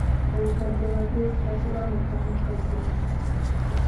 Obukadde magezi, takugamba kyamukaddiya.